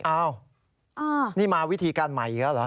อ้าวนี่มาวิธีการใหม่อีกแล้วเหรอ